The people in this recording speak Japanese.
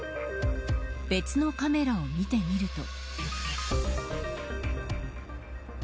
別のカメラを見てみると。